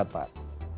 salam sehat pak